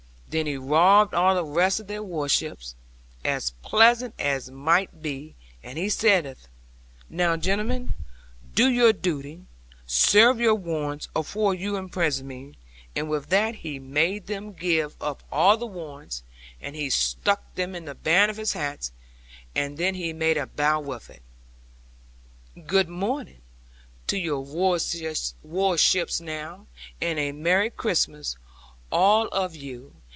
Then he robbed all the rest of their warships, as pleasant as might be; and he saith, "Now, gentlemen, do your duty: serve your warrants afore you imprison me;" with that he made them give up all the warrants, and he stuck them in the band of his hat, and then he made a bow with it. '"Good morning to your warships now, and a merry Christmas all of you!